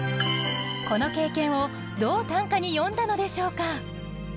この経験をどう短歌に詠んだのでしょうか？